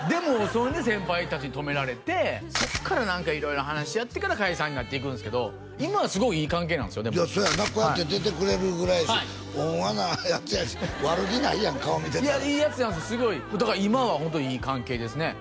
そんで先輩達に止められてそっから何か色々話し合ってから解散になっていくんすけど今はすごいいい関係なんすよでもそうやなこうやって出てくれるぐらいやし温和なやつやし悪気ないやん顔見てたらいいやつなんですすごいだから今はホントいい関係ですね